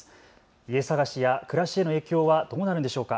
家探しや暮らしへの影響はどうなるんでしょうか。